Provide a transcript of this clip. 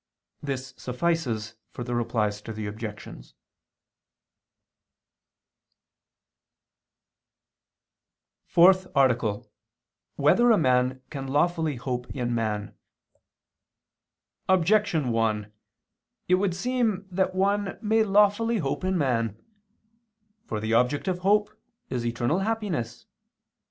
This suffices for the Replies to the Objections. _______________________ FOURTH ARTICLE [II II, Q. 17, Art. 4] Whether a Man Can Lawfully Hope in Man? Objection 1: It would seem that one may lawfully hope in man. For the object of hope is eternal happiness.